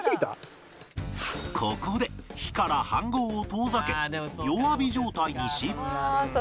ここで火から飯ごうを遠ざけ弱火状態にし